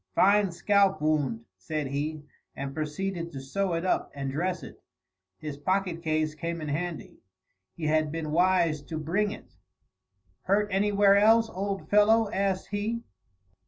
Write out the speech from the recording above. "Fine scalp wound," said he, and proceeded to sew it up and dress it. His pocket case came in handy. He had been wise to bring it. "Hurt anywhere else, old fellow?" asked he.